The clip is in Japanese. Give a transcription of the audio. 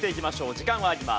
時間はあります。